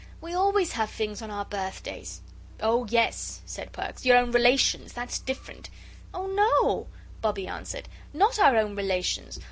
We always have things on our birthdays." "Oh, yes," said Perks, "your own relations; that's different." "Oh, no," Bobbie answered. "NOT our own relations.